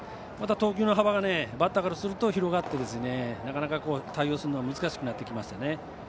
また投球の幅がバッターからすると広がってなかなか対応するのが難しくなってきましたね。